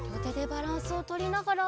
バランスをとりながら。